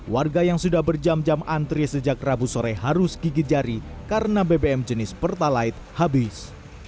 warga yang sudah berjam jam antri sejak rabu sore harus gigit jari karena bbm jenis pertalite habis